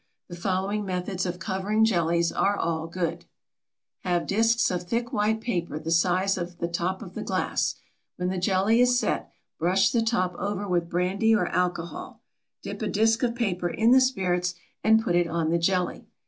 The following methods of covering jellies are all good: Have disks of thick white paper the size of the top of the glass. When the jelly is set, brush the top over with brandy or alcohol. Dip a disk of paper in the spirits and put it on the jelly.